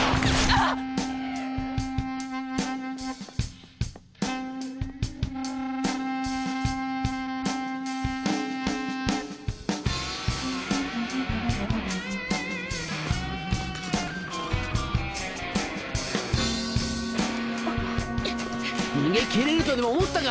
あっ。